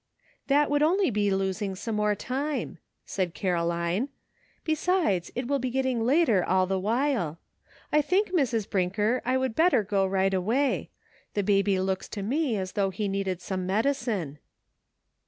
"That would only be losing some more time," said Caroline ;" besides, it will be getting later all the while. I think, Mrs. Brinker, I would better go right away ; the baby looks to me as though he needed some medicine."